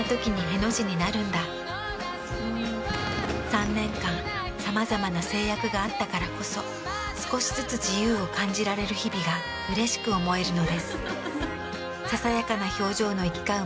３年間さまざまな制約があったからこそ少しずつ自由を感じられる日々がうれしく思えるのです。